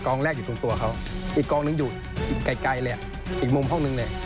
แรกอยู่ตรงตัวเขาอีกกองหนึ่งอยู่อีกไกลเลยอ่ะอีกมุมห้องนึงเนี่ย